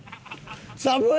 寒い！